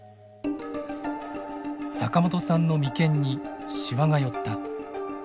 坂本さんの眉間にしわが寄った。